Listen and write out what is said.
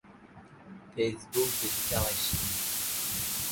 কারণ মন্দিরটি বিষ্ণুর দশটি আদর্শ নির্দেশ করে।